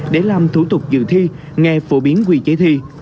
để làm thủ tục dự thi nghe phổ biến quy chế thi